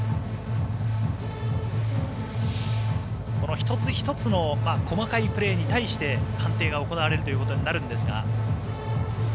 一つ一つの細かいプレーに対して判定が行われるということになるんですが。